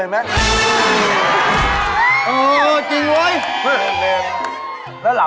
๙โมงเศร้า